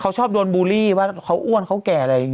เขาชอบโดนบูลลี่ว่าเขาอ้วนเขาแก่อะไรอย่างนี้